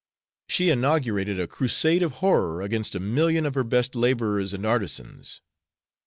She inaugurated a crusade of horror against a million of her best laborers and artisans.